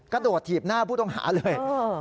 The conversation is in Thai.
ถีบถีบหน้าผู้ต้องหาเลย